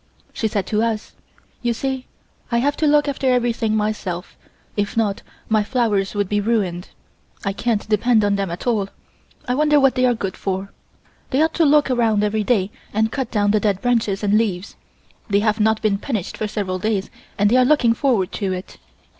She said to us: "You see I have to look after everything myself, if not, my flowers would be ruined. I can't depend on them at all. I wonder what they are good for. They ought to look around every day and cut down the dead branches and leaves. They have not been punished for several days and they are looking forward to it."